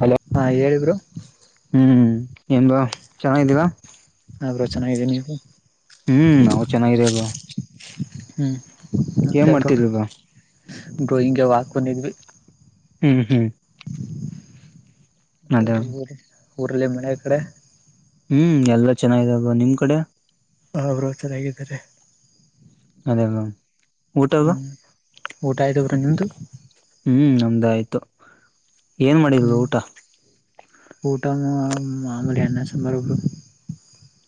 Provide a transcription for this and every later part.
Hello ಹಾ ಹೇಳಿ bro ಹ್ಮ್ ಏನ್ ಬಾ ಚೆನ್ನಾಗಿದ್ದೀರಾ ಹಾ ಬ್ರೋ ಚೆನ್ನಾಗಿದ್ದೀನಿ ನೀವು ಹ್ಮ್ ನಾವು ಚೆನ್ನಾಗಿದ್ದೀವಿ ಬ್ರೋ ಹ್ಮ್ ಏನ್ ಮಾಡ್ತಿದಲ್ಗ ಬ್ರೋಯಿಂಗ್ಗೆ ವಾಕಕೊಂಡಿದ್ವಿ ಹ್ಮ್ ಹ್ಮ್ ಮತ್ತ ಅದೇ ಊರು ಊರುಲ್ಲಿ ಮಳೆ ಕಡೆ ಹ್ಮ್ ಎಲ್ಲಾ ಚೆನ್ನಾಗಿದ್ದಾರೆ ಬ್ರೋ ನಿಮ್ ಕಡೆ ಹ ಬ್ರೋ ಚೆನ್ನಾಗಿದ್ದಾರೆ ಅದೇ ಊಟ ಹೇಲಾ ಊಟ ಆಯ್ತು ಬ್ರೋ ನಿಮ್ದು ಹ್ಮ್ ನಮ್ದ ಆಯ್ತು ಏನ್ ಮಾಡಿದ್ರು ಹ್ಮ್ ಊಟ ಊಟ ಮಾಮಲೆ ಅನ್ನ ಸಾಂಬಾರ್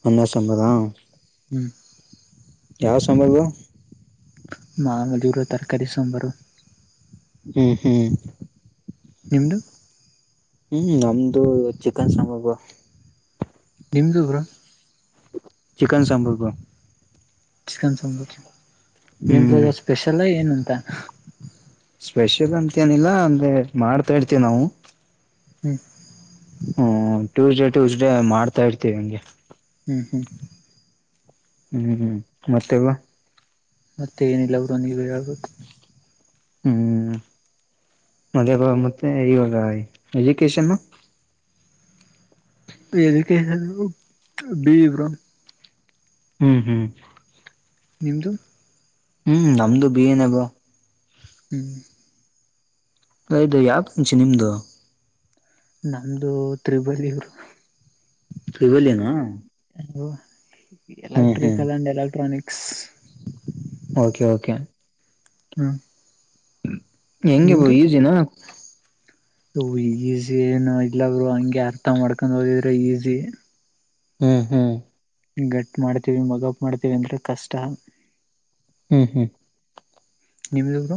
ಅನ್ನ ಸಾಂಬಾರ್ ಹ್ಮ್. ಯಾವ ಸಾಂಬಾರ್ ಮಾ ಮಜೂರು ತರಕಾರಿ ಸಾಂಬಾರ್ ಹ್ಮ್ ಹ್ಮ್ ನಿಮ್ಮದು ಹ್ಮ್ ನಮ್ದು ಚಿಕನ್ ಸಾಂಬಾರ್ ಬ್ರೋ ನಿಮ್ಮದು ಬ್ರೋ ಚಿಕನ್ ಸಾಂಬಾರ್ ಚಿಕನ ಸಾಂಬಾರ್ ಏನ್ ಹ್ಮ್ ಸ್ಪೆಷಲ್ ಏನಂತ ಸ್ಪೆಷಲ್ ಅಂತೇನಿಲ್ಲ ಅಂದ್ರೆ ಮಾಡ್ತಾ ಇರ್ತೇವಿ ನಾವು ತ್ತೆ ಹ್ಮ್ ಟ್ಯೂಸ್ಡೇ ಟ್ಯೂಸ್ ಡೇ ಮಾಡ್ತಾ ಇರ್ತೀವಿ ನಂಗೆ ಹ್ಞ ಹ್ಮಞ ಹ್ಮ್ ಹ್ಮ್ ಮತ್ತೆ ಬ್ರೋ ಮತ್ತೆ ಏನಿಲ್ಲ ಬ್ರೋ ನೀವೇ ಹೇಳ್ಬೇಕು ಹ್ಮ್ ಮದ ಮತ್ತೆ ಈವಾಗ ಎಜುಕೇಶನು ಕ್ಕೆ ಬವ್ರ ಹ್ಮ್ ಹ್ಮ್ ನಿಮದುು ಹ್ಮ್ ನಮ್ದು ಬಿ ಏನಬ ಹ್ಮ್ ಐದು ಯಂ ಶಿನಿಮದು ನಮ್ದು ತ್ರಿಬಳಿಯೂರು ಇ ಇಗಲಿನ electrical and electronics okay okay ಹ್ಮ್ ಹೆಂಗೆ ಬೋ ಈಜಿನ ಈಸಿ ಏನು ಇಲ್ಲವರು ಹಂಗೆ ಅರ್ಥ ಮಾಡ್ಕೊಂಡ್ ಹದಿದ್ರೆ ಈಸಿ ಹ್ಮ್ ಹ್ಮ್ ಗಟ್ ಮಾಡ್ತೀವಿ ಮಗಪ್ ಮಾಡ್ತೀವಿ ಅಂದ್ರೆ ಕಷ್ಟ ಹ್ಮ್ ಹ್ಮ್ ನಿಮ್ಮದು ಬ್ರೋ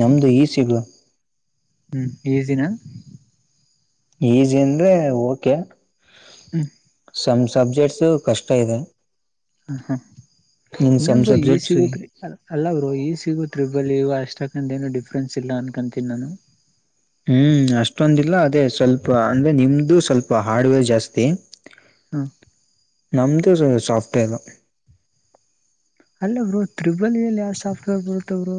ನಮ್ದು ಈ ಸಿಗ ಹ್ಮ್ ಈಸಿನ ಈಜಿ ಅಂದ್ರೆ ಓಕೆ ಹ್ಮ ಸಮ್ ಸಬ್ಜೆಕ್ಟ್ಸ ಕಷ್ಟ ಇದೆ ಹ ಹ ನಿಮ್ ಸಮ್ ಇನ್ನೊರು ಈ ಸಬ್ಜೆಕ್ಟ್ಸ್ ಸಿಗತ್ ಅಲ್ಲ ಬ್ರೋ ಈ ಸಿಗತ್. ಟ್ರಿಬಲ್ ಇಗ ಅಷ್ಟಕ್ಕಂತ ಏನು ಡಿಫ್ರೆನ್ಸ್ ಇಲ್ಲ ಅನ್ಕಂತೀನಿ ನಾನು. ಹ್ಮ್ ಅಷ್ಟೊಂದಿಲ್ಲ ಅದೇ ಸ್ವಲ್ಪ ಅಂದ್ರೆ ನಿಮ್ದು ಸ್ವಲ್ಪ ಹಾರ್ಡ್ವೇರ್ ಜಾಸ್ತಿ ಹ ನಮ್ದ ಸಾಫ್ಟ್ವೇರ ಅಲ್ಲ ಅವರು ತ್ರಿಬಲ್ಲಿಯಲ್ಲಿ ಯಾವ ಸಾಫ್ಟ್ವೇರ್ ಬರುತ್ತವರು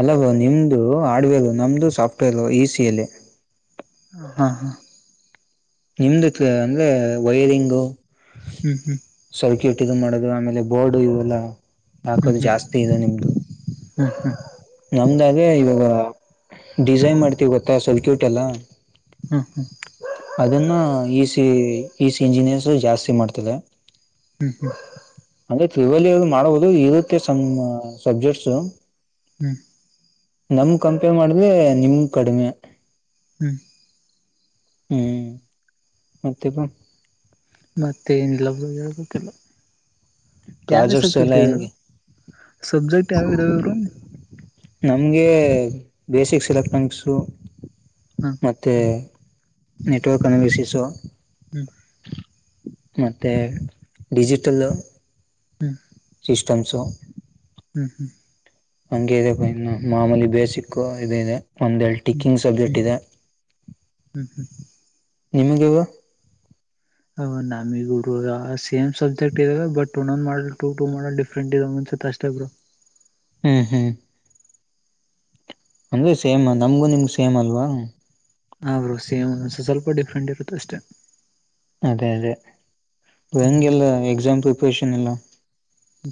ಅಲ್ಲ ಬ್ರೋ ನಿಮ್ದು ಹಾರ್ಡ್ವೇರ್ ನಮ್ದು ಸಾಫ್ಟ್ವೇರ್ ಈಸಿಯಲ್ಲಿ ಹಾ ಹಾ ನಿಮ್ದತ್ ಅಂದ್ರೆ ವೈರಿಂಗು ಹ್ಮ್ ಹ್ಮ್ ಟ್ಟ ಮಾಡದು ಆಮೇಲೆ ಬೋರ್ಡು ಇವೆಲ್ಲ ಹ್ಮ್ ಹಾಕದು ಹ್ಮ್ ಜಾಸ್ತಿ ಇದೆ ನಿಮ್ದು. ಹ್ಮ್ ನಮ್ದಾಗೆ ಇವಾಗ ಡಿಸೈನ್ ಮಾಡ್ತಿವಿ ಗೊತ್ತಾ ಸರ್ ಕ್ಯೂಟ್ ಎಲ್ಲ ಹ್ಮ್ ಹ್ಮ್ ಅದನ್ನ E C E C engineers ಜಾಸ್ತಿ ಮಾಡ್ತದೆ. ಕ [inaudible] ತ್ರಿಬಲ್ ಈ ಲೂ ಮಾಡುವುದು ಇರುತ್ತೆ ಸಬ್ಜೆಕ್ಟ್ಸ್. ಹ್ಮ ನಮ ಕಂಪೇರ್ ಮಾಡಿದ್ರೆ ನಿಮ ಕಡಿಮೆ ಹ್ಮ್ ಹ್ಮ್ ಮತ್ತೆಪ್ಪ ಮತ್ತೆ ಏನೀಲ್ಲ ಬ್ರೋ ಹೇಳ್ಬೇಕಲ್ಲ ಯಾವ ಯಾವ ಪ್ರಾಜೆಕ್ಟ್ಸ್ ಎಲ್ಲ ಸಬ್ಜೆಕ್ಟ್. ಹೆಂಗೆ ಸಬ್ಜೆಕ್ಟ್ ಯಾವಿದಾವೆ ಇವ್ರು ಹ್ಮ್ ನಮ್ಗೆ ಬೇಸಿಕ್ಸ್ ಎಲೆಕ್ಟ್ರಾನಿಕ್ಸು ಮತ್ತೆ ನೆಟ್ವರ್ಕ್ ಆನ್ಲಿಸಿಸ್ ಹ್ಮ್ ಮತ್ತೆ ಡಿಜಿಟಲ್ ಹ್ಮ ಸಿಸ್ಟಮ್ಸು ಹ್ಞ ಹ್ ಹಂಗೆ ಇ ಇನ್ನು ಮಾಮೂಲಿ ಬೇಸಿಕ್ ಇದ ಇದೆ ಒಂದೆಡು ಹ್ಮ್ ಟಿಕ್ಕಿಂಗ್ ಸಬ್ಜೆಕ್ಟ್ ಇದೆ ಹ ನಿಮಗೆ ಬ್ರೋ ನಮಿಗೂರು ಸೇಮ ಸಬ್ಜೆಕ್ಟ್ ಇವೆ ಬಟ್ ಒಂದೊಂದ model to to model different ಇದಾವೆ ಅನಿಸುತ್ತೆ ಅಷ್ಟೆ ಅ ಬ್ರೋ [unintelligible] ಹ್ಮ್ ಹ್ಮ್ ಅಂದ್ರೆ ಸೇಮ್ ನಮ್ಗು ನಿಮಗು ಸೇಮ್ ಅಲ್ವಾ ಆ ಬ್ರೋಯಿ ಸೇಮ್ ಒಂದ ಸ್ವಲ್ಪ ಡಿಫ್ರೆಂಟ್ ಇರುತ್ತೆ ಅಷ್ಟೆ ಅದೇ ಅದೇ ಹ್ಮ್ ಹೆಂಗೆಲ್ಲ ಎಕ್ಸಾಮ್ ಪ್ರಿಪರೇಷನ್ ಎಲ್ಲ.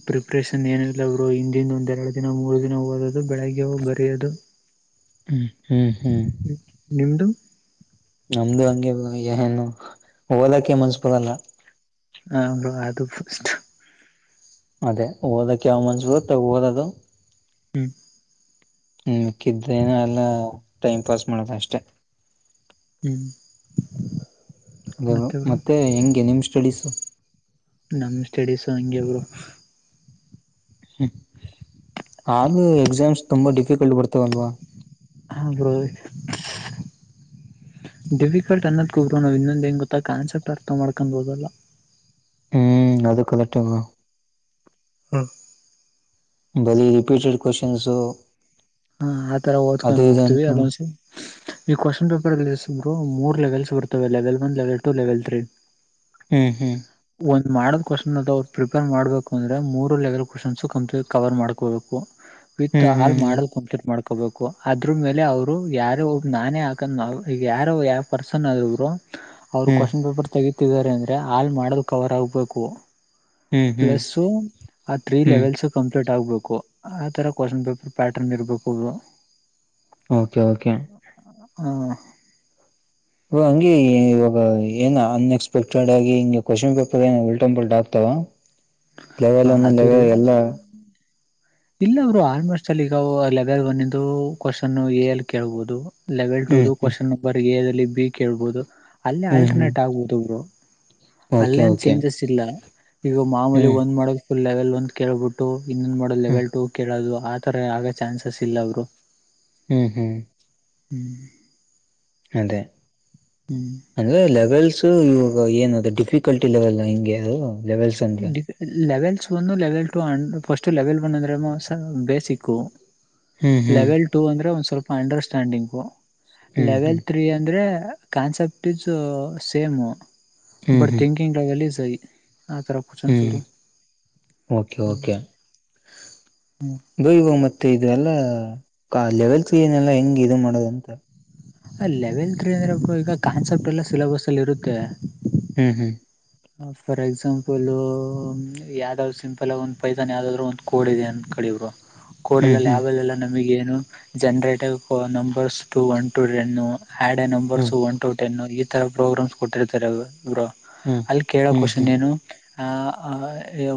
ಪ್ರಿಪ್ರೇಷನ್ ಏನ ಇಲ್ಲ ಅವರು ಹಿಂದಿಂದ ಒಂದೆರಡು ದಿನ ಮೂರು ದಿನ ಹಓದದು ಬೆಳಗ್ಗೆ ಹೋಗಿ ಬರೆಯೋದು. ಹ್ಮ್ ಹ್ಮ್ ನಿಮ್ದು ನಮ್ದು ಹಂಗೆ ಬ್ರೋ ಏನು ಓದಕ್ಕೆೆ ಮನ್ಸ ಬರಲ್ಲ ಹ ಅದು [unintelligible] ಅದೇ ಓದಕ್ಕೆ ಯಾವ ಮನ್ನಸ ಬರ್ತೆ ಅವಾಗ ಓದದು ಹ್ಮ ನಿಕ್ಕಿದ್ದೇನ ಎಲ್ಲ ಟೈಮ್ ಪಾಸ್ ಮಾಡದು ಅಷ್ಟೆ. ಹ್ಮ್ [inaudible] ಮತ್ತೆ ಹೆಂಗೆ ನಿಮ್ ಸ್ಟಡಿಸು ನಮ್ ಸ್ಟಡೀಸ್ ಹಂಗೆ ಬ್ರೋ [unintelligible] [inaudible] ಹ್ಮ ಆದ್ರು ಎಕ್ಸಾಮ್ಸ್ ತುಂಬಾ ಡಿಫಿಕಲ್ಟ್ ಬರ್ತವ ಅಲ್ವಾ ಆ ಬ್ರೋಯಿ [inaudible] ಡಿಫಿಕಲ್ಟ್ ಅನ್ನೋದ್ ಕೂಗರು ನಾವ್ ಇನ್ನೊಂದು ಹೆಂಗ ಗೊತ್ತಾ ಕಾನ್ಸೆಪ್ಟ್ ಅರ್ಥ ಮಾಡ್ಕೊಂಡ ಓದಲ್ಲ ಹ್ಮ್ ಅದು ಕಲೆಟ್ ಹಾ ಬಲಿ ರಿಪೀಟೆಡ್ ಕ್ವೆಶ್ಚನ್ ಹಾ ಆತರ ಓದ್ಕೊಂಡ್ ಹೋಗ್ತೀವಿ ಅಂತ ಅಲ್ಲೊಂದ ಈ ಕ್ವಶನ್ ಪೇಪರ್ ಬ್ರೋ ಮೂರ್ ಲೆವೆಲ್ಸ್ ಬರ್ತವೆ level one level two level three ಹ್ಮ್ ಹ್ಮ್ ಒಂದ್ ಮಾಡೆಲ್ ಕ್ವೆಶ್ಚನ್ ಅದ ಅವ್ ಪ್ರಪೇರ್ ಮಾಡಬೇಕು ಅಂದ್ರೆ ಮೂರು ಲೆವೆಲ್ ಕ್ವಶನ್ಸ್ ಕಂಪ್ಲೀಟ್ ಕವರ್ ಮಾಡಕೋಬೇಕು ವಿತ್ ಹ್ಮ್ ಹಾಲ್ ಹ್ಮ್ ಮಾಡಲ್ ಸೆಟ್ ಮಾಡ್ಕೊಬೇಕು ಅದ್ರ ಮೇಲೆ ಅವರು ಯಾರೋ ಒಬ್ಬ ನಾನೇ ಹಾಕಂದ್ ನಾವು ಈಗ ಯಾರೋ ಯಾವ ಪರ್ಸನ್ ಆದಬ್ರು ಅವರು ಹ್ಮ್ ಕ್ವೆಶ್ಚನ್ ಪೇಪರ್ ತೆಗೀತಿದ್ದಾರೆ ಅಂದ್ರೆ ಹಾಲ್ ಮಾಡದು ಕವರ್ ಆಗ್ಬೇಕು ಹ್ಮ್ ಹ್ಮ್ ಪ್ಲಸ್ಸು ಆ ತ್ರೀ ಹ್ಮ್ ಲೆವೆಲ್ಸ್ ಕಂಪ್ಲೀಟ್ ಆಗ್ಬೇಕು ಆ ತರ ಕ್ವಶನ್ ಪೇಪರ್ ಪ್ಯಾಟರ್ನ್ ಇರ್ಬೇಕು ಬ್ರೋ ಓಕೆ ಓಕೆ ಹಾ ಇವಾಗ ಹಂಗೆ ಇವಾಗ ಏ ಅನ್ಎಕ್ಸ್ಪೆಕ್ಟೆಡ್ ಆಗಿ ಹಂಗೆ ಕ್ವಶನ್ ಪೇಪರ್ ಏ ಉಲ್ಟಪಲ್ಟ್ ಆಗ್ತಾವ ಹಾ ಲೆವೆಲ್ ಅನ್ನು ಅದು ರೀ ಲೆವೆಲ್ ಎಲ್ಲ ಇಲ್ಲ ಅವರು ಆಲ್ಮೋಸ್ಟ್ ಅಲ್ಲಿ ಈಗ ಲೆವೆಲ್ ಒಂದಂದು ಕ್ವೆಶ್ಚನ್ ಎ ಅಲ್ಲಿ ಕೇಳ್ಬಹುದು ಲೆವೆಲ್ ಹ್ಮ್ ಟೂದು ಹ್ಮ್ ಕ್ವೆಶ್ಚನ್ ನಂಬರ್ ಎ ದಲ್ಲಿ ಬಿ ಕೇಳಬಹುದು ಅಲ್ಲೆ ಹ್ಮ್ ಹ್ಮ್ ಆಲ್ಟರ್ನೇಟ್ ಆಗ್ಬಹುದು ಬ್ರೋ ಓಕೆ ಅಲ್ಲೇನ್ ಓಕೆ ಚೇಂಜಸ್ ಇಲ್ಲ ಈಗ ಮಾಮೂಲಿ ಹ್ಮ್ ಒಂದ್ ಮಾಡಕ್ ಫುಲ್ ಲೆವೆಲ್ ಒಂದ್ ಕೇಳ್ಬಿಟ್ಟು ಇನ್ನೊಂದು ಮಾಡೆಲ ಹ್ಮ್ ಲೆವೆಲ್ ಟೂ ಕೇಳೋದು ಆ ತರ ಆಗೋ ಚಾನ್ಸಸ್ ಇಲ್ಲ ಅವರು ಹ್ಮ್ ಹ್ಮ್ [unintelligible] ಅದೇ ಹ್ಮ್ ಅಂದ್ರೆ ಲೆವೆಲ್ಸ್ ಸೊ ಇವಾಗ ಏನಾದ ಡಿಫಿಕಲ್ಟಿಲವೆಲ್ಲ ಹಿಂಗೆ ಅದು ಲೆವೆಲ್ಸ್ ಅಂದ್ರೆ ಲೆವೆಲ್ ಒಂದು level two and first level one ಅಂದ್ರೆ ಬೇಸಿಕ್ು ಹ್ಮ್ ಹ್ಮ್ ಲೆವೆಲ್ ಟೂ ಅಂದ್ರೆ ಒಂದ ಸ್ವಲ್ಪ ಅಂಡರ್ಸ್ಟ್ಯಾಂಡಿಂಗು ಹ್ಮ್ ಲೆವೆಲ್ ತ್ರೀ ಅಂದ್ರೆ concept is same hmm hmm but hmm thinking level high hmm okay okay bro ಈವಾಗ ಮ ಮತ್ತ ಇ ಎಲ್ಲ ಲೆವೆಲ್ಸ್ ಏನೆಲ್ಲಾ ಹೆಂಗ್ ಇದು ಮಾಡದಂತ ಲೆವೆಲ್ ತ್ರೀ ಅಂದ್ರೆ ಈಗ ಕಾನ್ಸೆಪ್ಟ ಎಲ್ಲ ಸಿಲೆಬಸ್ ಅಲ್ಲಿ ಇರುತ್ತೆ ಹ್ಮ್ ಹ್ಮ್ ಫಾರ್ ಎಕ್ಸಾಂಪಲ್ ಯಾವ್ದ್ ಸಿಂಪಲ್ ಆಗ ಒಂದ್ ಪೈತಾನ್ ಯಾವ್ದಾದ್ರು ಒಂದು ಕೋಡ್ ಇದೆ ಅಂತ ಕಳಿವ್ರು ಕೊಡಲ್ಲೆಲ ಹ್ಮ್ ಯಾವೆಲ್ಲಾ ನಮಗೆ generator numbers to one to ten add numbers hmm one to ten ಈ ತರ ಪ್ರೋಗ್ರಾಮ್ಸ್ ಕೊಟ್ಟಿರ್ತಾರೆ ಬ್ರೋ ಹ್ಮ್ ಅಲ್ಲಿ ಹ್ಮ್ ಹ್ಮ್ ಹ್ಮ್ ಕೇಳೋಕಷನ್ ನೀೇನು ಆ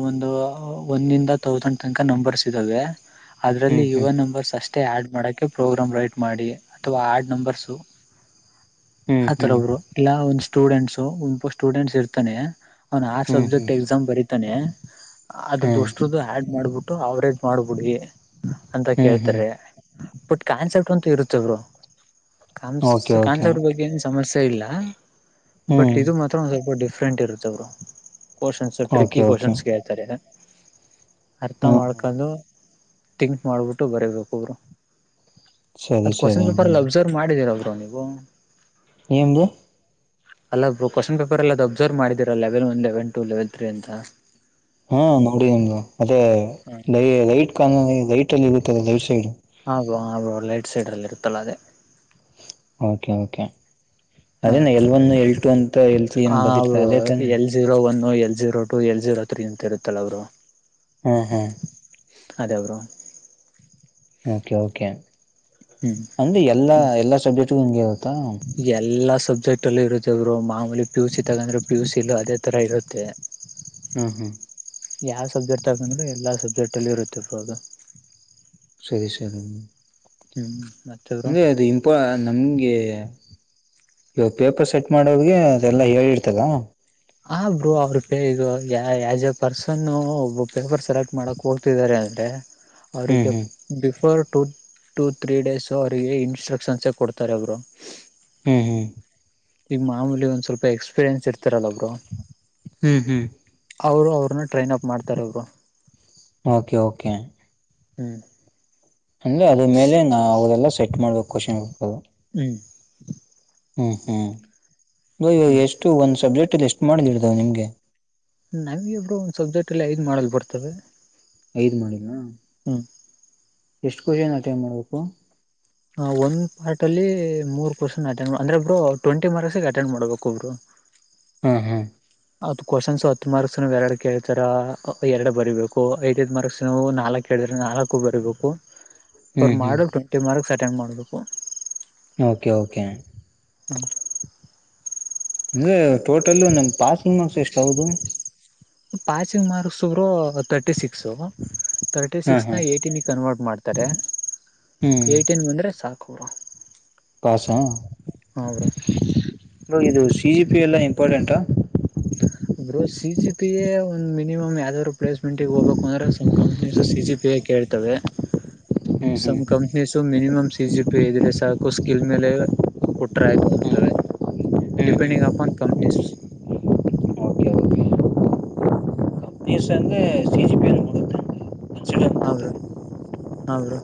ಒಂದು ಒಂದಂದ ತೌಸಂಡ್ ತನಕ ನಂಬರ್ಸ್ ಇದ್ದಾವೆ ಹ್ಮ್ ಅದರಲ್ಲಿ ಯುವನ ನಂಬರ್ಸ್ ಅಷ್ಟೆ ಮತ್ತ ಆ್ಯಡ್ ಮಾಡೋಕ್ಕೆ ಪ್ರೋಗ್ರಾಮ್ ರೈಟ್ ಮಾಡಿ ಅಥವಾ ಆ್ಯಡ್ ನಂಬರ್ಸು ಹ್ಮ್ ಹ್ಮ್ ಹ್ಮ್ ಆತರ ಹ್ಮ್ ಬ್ರೋ ಇಲ್ಲಾ ಒಂದ್ ಸ್ಟೂಡೆಂಟ್ಸು ಒಪ ಸ್ಟೂಡೆಂಟ್ಸ್ ಇರ್ತಾನೆ ಅವನ್ ಆರ್ ಹ್ಮ್ ಸಬ್ಜೆಕ್ಟ್ ಎಕ್ಸಾಮ್ ಬರೀತಾನೆ ಅದ್ರದ್ದ ಅಷ್ಟದ್ದು ಆ್ಯಡ್ ಮಾಡ್ಬಿಟ್ಟು ಅವರೇಜ್ ಮಾಡ್ಬಿಡಿ ಅಂತ ಹ್ಮ್ ಹ್ಮ್ ಹ್ಮ್ ಕೇಳ್ತಾರೆ ಬಟ್ ಕಾನ್ಸೆಪ್ಟ್ ಅಂತೂ ಇರುತ್ತವರು ಕಾನ್ ಓಕೆ ಓಕೆ ಕಾನ್ಸೆಪ್ಟ್ ಬಗ್ಗೆ ಏನ್ ಸಮಸ್ಯೆ ಇಲ್ಲ ಬಟ್ ಹ್ಮ್ ಇದು ಮಾತ್ರ ಒ ಸ್ವಲ್ಪ ಡಿಫ್ರೆಂಟ್ ಇರುತ್ತ ಅವರು questions okay tricky okay questions ಕೇಳ್ತಾರೆ ಅರ್ಥ ಹ್ಮ್ ಹ್ಮ್ ಮಾಡ್ಕೊಂಡು ಥಿಂಕ್ ಮಾಡ್ಬಿಟ್ಟು ಬರೀಬೇಕುೊಬ್ರು ಸರಿ ಅದ್ ಕ್ವಶನ್ ಸರಿ ಪೇಪರ್ಲ್ಲಿ ಅಬ್ಸರ್ವ್ ಮಾಡಿದೀರರು ನೀವು ನಿಮ್ದು ಅಲ್ಲ ಕ್ವೆಶನ್ ಪೇಪರ್ ಎಲ್ಲದು ಅಬ್ಸರ್ವ್ ಮಾಡೀರಾ level one level two level three ಅಂತ ಹಾ ನೋಡಿ ನಿಮ್ಗ ಅದೇ ಹ ರೈಟ್ ಕ ರೈಟ್ ಅಲ್ಲಿ ಇರುತ್ತ ಲೈಟ್ ಸೈಡ್ ಅ ಬ್ರೋ ಲೈಟ್ ಸೈಡ್ ಅಲ್ಲಿ ಇರುತ್ತಲ್ಲ ಅದೇ ಓಕೆ ಓಕೆ ಹ ಅದೇನ ಎಲ್ವಿಎನ್ ಎಲ್ಎರಡು ಎಲ್ಮೂರು ಏನ್ ಹ ಬದಿರ್ತ ಅವರು ಅದೇ ತಾನೆ L zero one L zero two L zero three ಅಂತ ಇರುತ್ತಲ್ಲ ಅವರು ಹಾ ಹಾ ಅದೇಬ್ರ ಓಕೆ ಓಕೆ ಎಲ್ಲಾ ಎಲ್ಲಾ ಸಬ್ಜೆಕ್ಟ್ಗು ಹಂಗೆ ಇತ್ತಾ ಎಲ್ಲಾ ಸಬ್ಜೆಕ್ಟ್ ಅಲ್ಲಿ ಇರುತ್ತೆ ಅವರು ಮಾಮೂಲಿ ಪಿ ಯು ಸಿ ತಗಂದ್ರೆ ಪಿ ಯು ಸಿ ಇ ಅದೇ ತರ ಇರುತ್ತೆ ಹ್ಮ್ ಹ್ಮ್ ಯಾವ ಸಬ್ಜೆಕ್ಟ್ ತಗಕಂದ್ರೆ ಎಲ್ಲಾ ಸಬ್ಜೆಕ್ಟ್ ಅಲ್ಲಿ ಇರುತ್ತಿರ್ಬೋದು ಸರಿ ಸರಿ ಹ್ಮ್ ಮತ್ತೆ ಬ್ರೋ ಇೇ ಅದು ಇಪ ನಮ್ಗೆ ಇವ ಪೇಪರ್ ಸೆಟ್ ಮಾಡೋಗೆ ಅದೆಲ್ಲಾ ಹೇಳಿರ್ತದ ಆ ಬ್ರೂ ಅವ್ರ ಪೇ ಇದು ಯಸ್್ ಎ ಪರ್ಸನ್ ಒಬ್ಬ ಪೇಪರ್ ಸೆಲೆಕ್ಟ್ ಮಾಡಕ್ ಹೋಗ್ತಿದ್ದಾರೆ ಹ್ಮ್ ಅವರಿಗೆ ಹ್ಮ್ before two to three days ಅವರಿಗೆ ಇನ್ಸ್ಟ್ರಕ್ಷನ್ಸೇ ಕೊಡ್ತಾರೆ ಅವರು ಹ್ಮ್ ಹ್ಮ್ ಈಗ ಮಾಮೂಲಿ ಒಂದ್ ಸ್ವಲ್ಪ ಎಕ್ಸ್ಪೀರಿಯನ್ಸ್ ಇರ್ತಾರಲ್ಲ ಒಬ್ರು ಹ್ಮ್ ಹ್ಮ್ ಅವರು ಅವ್ರನ್ನ ಟ್ರೈನ್ಪ್ ಮಾಡ್ತಾರೆಬ್ರು ಓಕೆ ಓಕೆ ಹ್ಮ್ ಅಂದೆ ಅದ್ರ ಮೇಲೆ ನಾವು ಅವದೆಲ್ಲ ಸೆಟ್ ಮಾಡ್ಬೇಕು ಕ್ವಷನ್ದು ಹ್ಮ ಹ್ಮ್ ಹ್ಮ್ ಇಾಗ ಹ್ಮ್ ಎಷ್ಟು ಒಂದ್ ಸಬ್ಜೆಕ್ಟ್ಲ್ಲಿ ಎಷ್ಟು ಮಾಡಲಿ ಇಡ್ದಾವ ನಿಮ್ಗೆ ನಾವ್ ಇಬ್ರ ಒಂದ್ ಸಬ್ಜೆಕ್ಟ್ ಹೈದು ಮಾಡಲ್ ಬರ್ತವೆ ಐದ್ ಮಾಡಿದಾ ಹಾ ಎಷ್ಟು ಪ್ರಶ್ನೆ ನಟೈ್ ಮಾಡ್ಬೇಕು ಹ ಒಂದ್ ಪಾರ್ಟ ಅಲ್ಲಿ ಮೂರ್ ಪ್ರಶ್ನೆ ಅಟೆಂಡ್ ಅಂದ್ರೆ ಒಬ್ರು ಟ್ವೆಂಟಿ ಮಾರ್ಕ್ಸ್ ಅಟೆಂಡ್ ಮಾಡ್ಬೇಕು ಒಬ್ರು ಹ್ಮ ಹಾ್ ಅದು ಕ್ವಶನ್ಸ್ ಹತ್ತು ಮಾರ್ಕ್ಸ್ ಎರಡು ಕೇಳ್ತಾರ ಎರಡು ಬರಿೀಬೇಕು ಐದೈದ್ ಮಾರ್ಕ್ಸ್ವು ನಾಲ್ಕ್ ಕ ನಾಲ್ಕು ಬರಬೇಕು ಪರ್ ಹ್ಮ್ ಮಾಡ ಹ್ಮ್ ಟ್ವೆಂಟಿ ಮಾರ್ಕ್ಸ್ ಅಟೆಂಡ್ ಮಾಡಬೇಕು ಓಕೆ ಓಕೆ ಹ ಅಂದ್ರೆ ಟೋಟಲ್ ನಮ ಪಾಸಿಂಗ್ ಮಾರ್ಕ್ಸ್ ಎಷ್ಟೌದು ಪಾಸಿಂಗ್ ಮಾರ್ಕ್ಸ್ರು ತರ್ಟಿ ಸಿಕ್ಸ್ ತರ್ಟಿ ಹಾ ಸಿಕ್ಸ್ ಹಾ ನ ಏಟಿನ ಕನ್ವರ್ಟ್ ಮಾಡತಾರೆ ತಾರೆ ಏಯ್ಟನ್ ಬಂದರೆ ಸಾಕು ಕಸಾ ಹಾ ಬ್ರೋ ಇದು ಸಿ ಇ ಪಿ ಎಲ್ಲ ಇಂಪಾರ್ಟೆಂಟಾ. ಬೋ ಸಿ ಜಿ ಪಿಯೇ ಒಂದು ಮಿನಿಮ್ ಯಾವ್ದಾದ್ ಪ್ಸ್ಮೆಂಟ್ಗೆ ಹೋಗಬೇಕು ಅಂದ್ರೆ ಕಂಪ್ನೀಸ್ ಸಿ ಸಿ ಪಿ. ಕೇಳ್ತವೆ [unintelligible] ಹ್ಮ್ ಹ್ಮ್ some companies minimum C G P ಇದ್ರೆ ಸಾಕು ಸ್ಕಿಲ್ ಮೇಲೆ ಕೊಟ್ರ ಆಯ್ತು ಅಂತ ಹ್ಮ್ ಹ್ಮ್ ಹ್ಮ್ ಡಿಪೆಡಿಂಗ್ ಅನ್ ಕಂಪ್ನಿಸಸ್ ಓಕೆ ನೀ ಸಂದ ಸಿಜಿಪಿಯ ಹ ಬ್ರೋ ಹ ಬ್ರೋ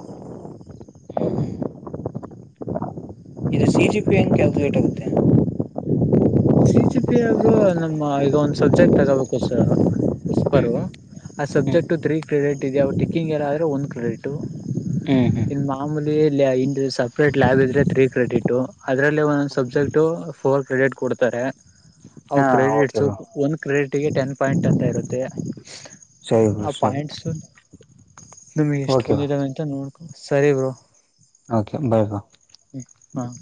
ಇದು ಸಿ ಜಿ ಪಿ ಹೆಗೆ ಕ್ಯಾಲ್ಕುಲೇಟ್ ಆಗುತ್ತೆ ಸಿ ಜಿ ಪಿ ಬ್ರೋ ನಮ್ಮ ಈಗ ಒಂದ್ ಸಬ್ಜೆಕ್ಟ್ ತಗೋಬೇಕು ಸ ಉಸ್ಪರ್ ಆ ಹ್ಮ್ ಸಬ್ಜೆಕ್ಟು ತ್ರೀ ಕ್ರೆಡಿಟ್ ಇೆಯ ಅವೆ ಟಕ್ಕಿಂಗ್ ಎಲ್ಲಾದ ಆದರೆ ಒಂದು ಕ್ರೆಡಿಟು ಹ್ಮ್ ಹ್ಮ್ ಆಮೂಲಿ ಇ ಸಪ್ರೇಟ್ ಲ್ಯಾಬ್ ಇದ್ರೆ ತ್ರ್ರೀ ಕ್ರೆಡಿಟ್ ಅದರಲ್ಲಿ ಒ ಸಬ್ಜೆಕ್ಟ್ ಫೋರ್ ಕ್ರೆಡಿಟ್ ಕೊಡುತ್ತ ತ್ತರ [unintelligible] ಅವು ಹಾ ಓಕೆ ಕ್ರೆಡಿಟ್ಸು ಬ್ರೋ ಒಂದು ಕ್ರೆಡಿಟ್ಗೆ ಟೆನ್ ಪಾಯಿಂಟ್ ಅಂತ ಇರುತ್ತೆ. ಜಯ ವರ್ಷ [unintelligible] ನಮಗ್ ಎಷ್ಟು ಬಂದಿದಾವ ಅಂತ ನೋಡ್ಕೊ ಸರಿ ಬೋ. Okay bye bro. ಹಾಂ